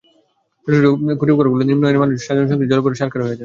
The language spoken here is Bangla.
ছোট ছোট খুপরিঘরগুলোতে নিম্ন আয়ের মানুষের সাজানো সংসার জ্বলেপুড়ে ছারখার হয়ে যায়।